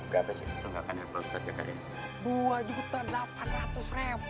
berapa sih itu ngakakannya pak ustadz ya kak ya